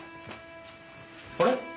あれ？